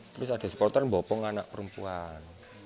terus ada supporter bopong anak perempuan